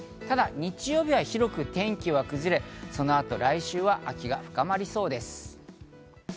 ただ日曜日は広く天気は崩れ、その後、来週は秋が深まりそうです。